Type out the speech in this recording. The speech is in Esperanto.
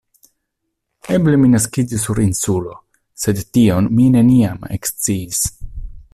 Eble mi naskiĝis sur Insulo, sed tion mi neniam eksciis.